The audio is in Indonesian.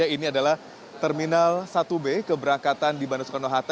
ini adalah terminal satu b keberangkatan di bandara soekarno hatta